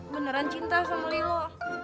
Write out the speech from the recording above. beneran cinta sama lilo